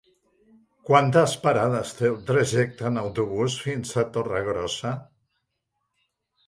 Quantes parades té el trajecte en autobús fins a Torregrossa?